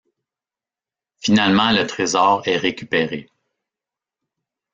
Finalement le trésor est récupéré.